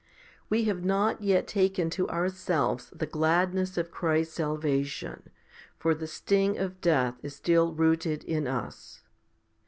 4. We have not yet taken to our selves the gladness of Christ's salvation, for the sting of death 6 is still rooted in us.